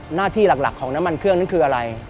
หน้าที่หลักของน้ำมันเครื่องนั้นคืออะไร